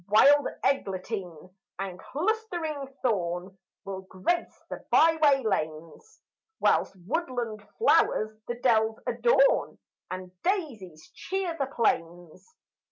Wild eglantine and clustering thorn Will grace the byway lanes, Whilst woodland flowers the dells adorn And daisies cheer the plains.